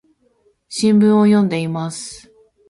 新聞を読んでいます。